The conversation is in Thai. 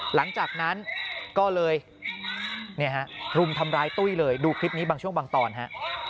หลังจากนั้นก็เลยรุมทำร้ายตุ้ยเลยดูคลิปนี้บางช่วงบางตอนฮะ